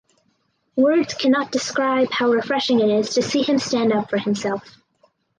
Words cannot describe how refreshing it is to see him stand up for himself.